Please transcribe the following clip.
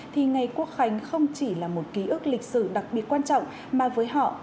thì ngày quốc khánh không chỉ là một ký ức lịch sử đặc biệt quan trọng mà với họ